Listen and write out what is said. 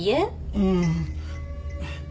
うん。